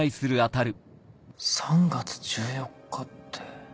３月１４日って。